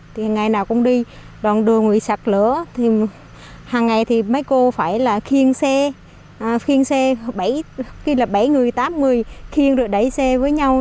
thì ngày nào cũng đi đoàn đường bị sạt lở thì hàng ngày thì mấy cô phải là khiên xe khiên xe bảy người tám người khiên rồi đẩy xe với nhau